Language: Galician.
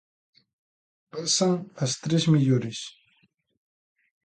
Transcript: Pasan as tres mellores.